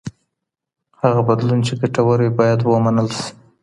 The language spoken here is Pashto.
هغه بدلون چې ګټور وي بايد ومنل سي.